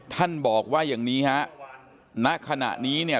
ท่านบอกว่าอย่างนี้ฮะณขณะนี้เนี่ย